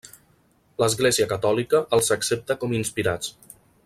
L'Església Catòlica els accepta com inspirats.